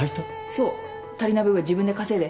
そう足りない分は自分で稼いで。